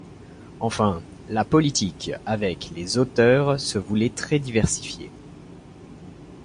Enfin, la politique avec les auteurs se voulait très diversifiée.